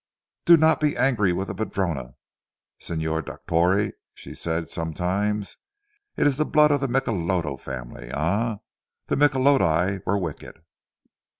"Do not be angry with the padrona Signor Dottore," she said sometimes, "it is the blood of the Michelotto family. Eh, the Michelotti were wicked!"